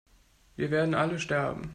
Wir werden alle sterben!